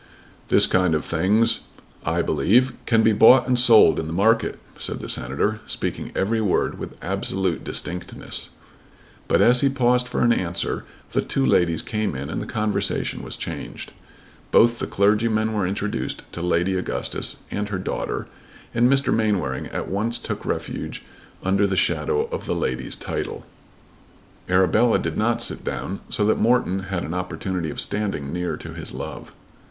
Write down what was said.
"This kind of things, I believe, can be bought and sold in the market," said the Senator, speaking every word with absolute distinctness. But as he paused for an answer the two ladies came in and the conversation was changed. Both the clergymen were introduced to Lady Augustus and her daughter, and Mr. Mainwaring at once took refuge under the shadow of the ladies' title. Arabella did not sit down, so that Morton had an opportunity of standing near to his love.